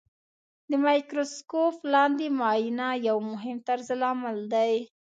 د مایکروسکوپ لاندې معاینه یو مهم طرزالعمل دی.